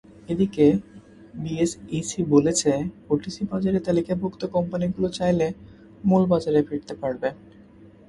এদিকে বিএসইসি বলেছে, ওটিসি বাজারে তালিকাভুক্ত কোম্পানিগুলো চাইলে মূল বাজারে ফিরতে পারবে।